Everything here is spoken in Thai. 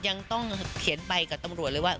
ยังต้องเขียนใบกับตำรวจเลยว่า